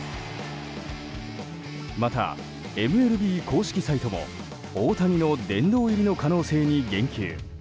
また、ＭＬＢ公式サイトも大谷の殿堂入りの可能性に言及。